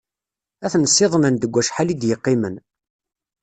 Ad ten-siḍnen deg wacḥal i d-yeqqimen.